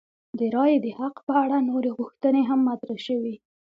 د رایې د حق په اړه نورې غوښتنې هم مطرح شوې.